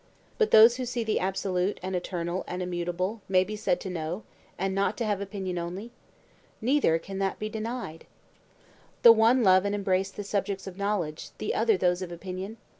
But those who see the absolute and eternal and immutable may be said to know, and not to have opinion only? Neither can that be denied. The one love and embrace the subjects of knowledge, the other those of opinion?